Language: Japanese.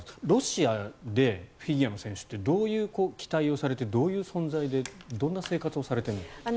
ロシアでフィギュアの選手ってどういう期待をされてどういう存在でどんな生活をされてるんですか？